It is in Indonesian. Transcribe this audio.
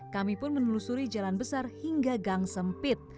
kami pun menelusuri jalan besar hingga gang sempit